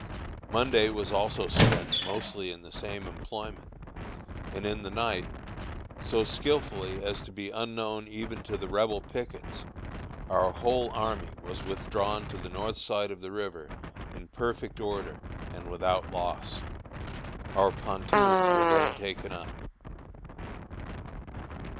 Monday was also spent mostly in the same employment, and in the night, so skilfully as to be unknown even to the Rebel pickets, our whole army was withdrawn to the north side of the river in perfect order and without loss. Our pontoons were then taken up.